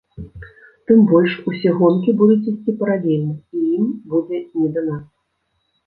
Тым больш, усе гонкі будуць ісці паралельна, і ім будзе не да нас.